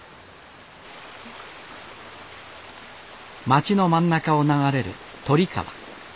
町の真ん中を流れる鳥川。